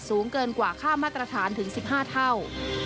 สูงเกินกว่าค่ามาตรฐานถึง๑๕เท่า